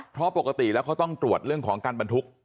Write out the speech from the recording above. เพราะปกติแล้วเขาต้องตรวจเรื่องของการบรรทุก